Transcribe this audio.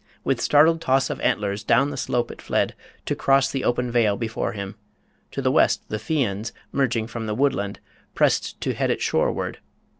With startled toss Of antlers, down the slope it fled, to cross The open vale before him ... To the west The Fians, merging from the woodland, pressed To head it shoreward